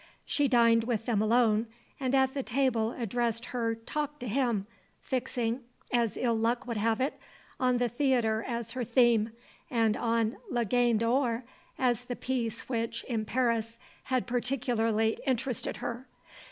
She dined with them alone and at the table addressed her talk to him, fixing, as ill luck would have it, on the theatre as her theme, and on La Gaine d'Or as the piece which, in Paris, had particularly interested her.